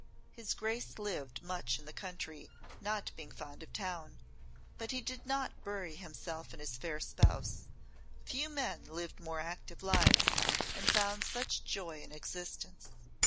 His Grace lived much in the country, not being fond of town, but he did not bury himself and his fair spouse. Few men lived more active lives and found such joy in existence.